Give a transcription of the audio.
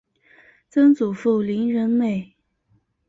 曾祖父林仁美。